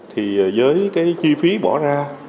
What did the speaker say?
thì với cái chi phí bỏ ra